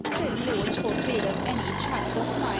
— The Lord forbid of any child of min